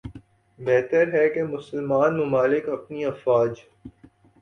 بہتر ہے کہ مسلمان ممالک اپنی افواج